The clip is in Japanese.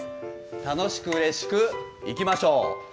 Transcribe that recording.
楽しくうれしくいきましょう。